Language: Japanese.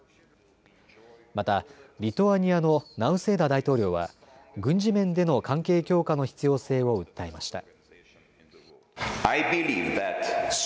またリトアニアのナウセーダ大統領は軍事面での関係強化の必要性を訴えました。